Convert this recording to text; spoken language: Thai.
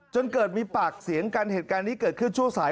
จนเกิดมีปากเสียงกันเหตุการณ์นี้เกิดขึ้นช่วงสาย